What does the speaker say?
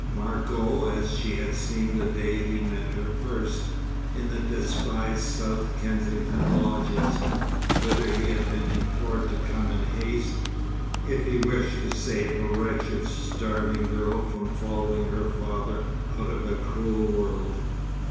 Margot as she had seemed the day he met her first, in the despised South Kensington lodgings, whither he had been implored to come in haste, if he wished to save a wretched, starving girl from following her father out of a cruel world.